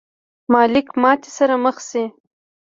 مالک ماتې سره مخ شي.